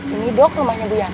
ini dok rumahnya bu yaki